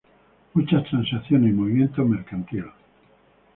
Muchas transacciones y movimiento mercantil.